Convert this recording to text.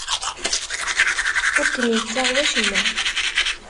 Ur kem-yettaɣ wacemma.